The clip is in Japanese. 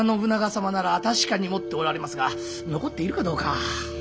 様なら確かに持っておられますが残っているかどうか。